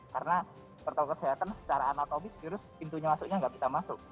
karena pertolongan kesehatan secara anatomis virus pintunya masuknya nggak bisa masuk